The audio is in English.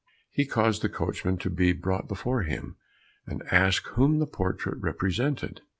He caused the coachman to be brought before him, and asked whom the portrait represented?